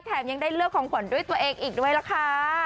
ยังได้เลือกของขวัญด้วยตัวเองอีกด้วยล่ะค่ะ